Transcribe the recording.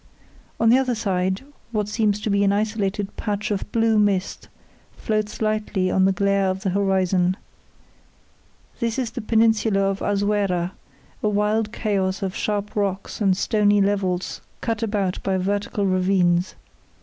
On the other side, what seems to be an isolated patch of blue mist floats lightly on the glare of the horizon. This is the peninsula of Azuera, a wild chaos of sharp rocks and stony levels cut about by vertical ravines.